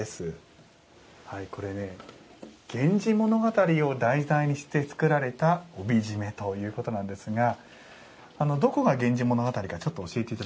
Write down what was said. はいこれね「源氏物語」を題材にして作られた帯締めということなんですがどこが「源氏物語」かちょっと教えて頂けますか？